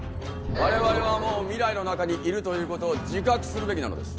我々はもう未来の中にいるということを自覚するべきなのです。